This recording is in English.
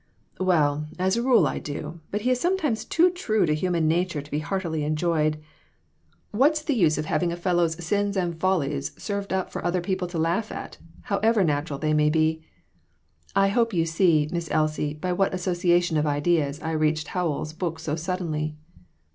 "Well, as a rule I do; but he is sometimes too true to human nature to be heartily enjoyed. What's the use in having a fellow's sins and fol CHARACTER STUDIES. 2IQ lies served up for other people to laugh at, how ever natural they may be ? I hope you see, Miss Elsie, by what association of ideas I reached How ells' book so suddenly."